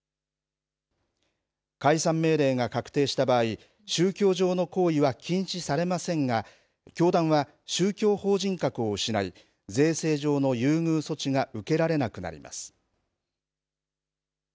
解散命令が確定した場合宗教上の行為は禁止されませんが教団は宗教法人格を失い税制上の優遇措置が受けられなくなります。